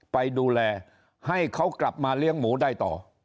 ไปดูแลให้เขากลับมาเลี้ยงหมูได้ต่อ